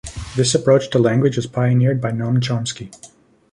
This approach to language was pioneered by Noam Chomsky.